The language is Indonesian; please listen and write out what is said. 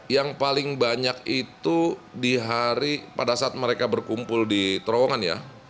yang paling banyak itu di hari pada saat mereka berkumpul di terowongan ya